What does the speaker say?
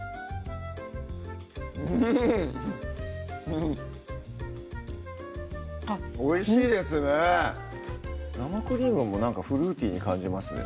うんおいしいですね生クリームもなんかフルーティーに感じますね